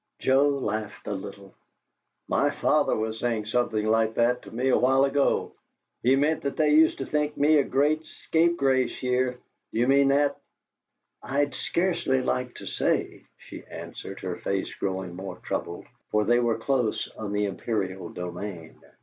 Joe laughed a little. "My father was saying something like that to me a while ago. He meant that they used to think me a great scapegrace here. Do you mean that?" "I'd scarcely like to say," she answered, her face growing more troubled; for they were close on the imperial domain.